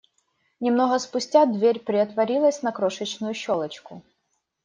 Немного спустя дверь приотворилась на крошечную щелочку.